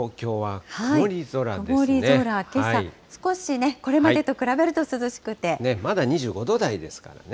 曇り空、けさ、少しこれまでまだ２５度台ですからね。